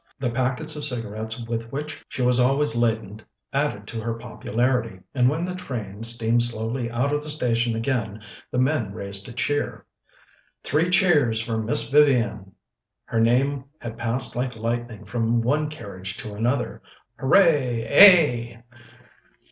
The packets of cigarettes with which she was always laden added to her popularity, and when the train steamed slowly out of the station again the men raised a cheer. "Three cheers for Miss Vivian!" Her name had passed like lightning from one carriage to another. "Hooray ay."